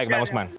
itu sangat penting